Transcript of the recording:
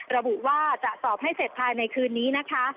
ระบุว่าจะสอบให้เสร็จภายในคืนนี้นะคะ